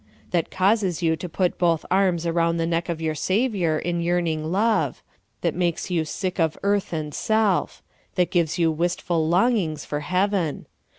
' that causes 3'ou to put both arms around the neck of your Savior in j^earning love ; that makes you sick of earth and self; that gives 3'ou wdstful longings for heaven.